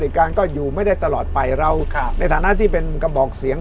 เหตุการณ์ก็อยู่ไม่ได้ตลอดไปเราในฐานะที่เป็นกระบอกเสียง